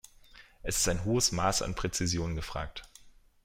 Es ist ein hohes Maß an Präzision gefragt.